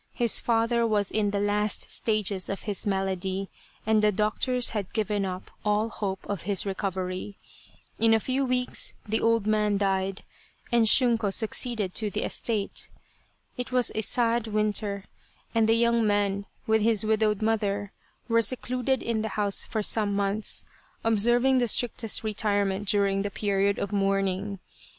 His father was in the last stages of his malady, and the doctors had given up all hope of his recovery. In a few weeks the old man died, and Shunko succeeded to the estate. It was a sad winter, and the young man with his widowed mother, were secluded in the house for some months, observing the strictest retirement during the period of mourning.